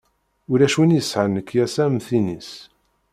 Ulac win i yesɛan lekyasa am tin-is.